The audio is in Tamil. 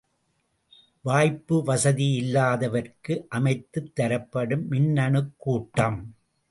வாய்ப்பு வசதி இல்லாதவருக்கு அமைத்துத் தரப்படும் மின்னணுக்கூட்டம்.